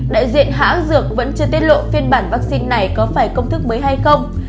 đại diện hãng dược vẫn chưa tiết lộ phiên bản vaccine này có phải công thức mới hay không